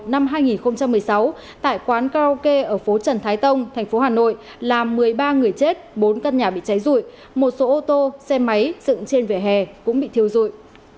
năm hai nghìn một mươi sáu tại quán karaoke ở phố trần thái tông thành phố hà nội làm một mươi ba người chết bốn căn nhà bị cháy rụi một số ô tô xe máy dựng trên vỉa hè cũng bị thiêu dụi